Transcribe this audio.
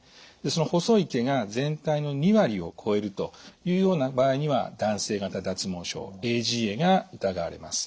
その細い毛が全体の２割を超えるというような場合には男性型脱毛症ＡＧＡが疑われます。